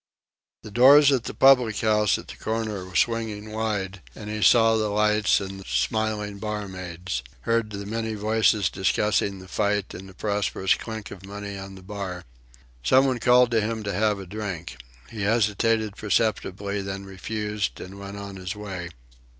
The doors of the public house at the corner were swinging wide, and he saw the lights and the smiling barmaids, heard the many voices discussing the fight and the prosperous chink of money on the bar. Somebody called to him to have a drink. He hesitated perceptibly, then refused and went on his way.